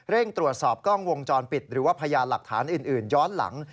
ตรวจสอบกล้องวงจรปิดหรือว่าพยานหลักฐานอื่นย้อนหลัง